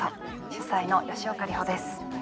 主宰の吉岡里帆です。